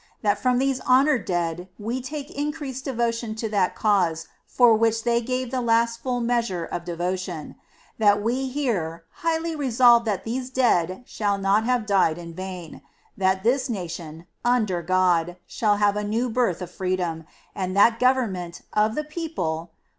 . .that from these honored dead we take increased devotion to that cause for which they gave the last full measure of devotion. .. that we here highly resolve that these dead shall not have died in vain. .. that this nation, under God, shall have a new birth of freedom. .. and that government of the people.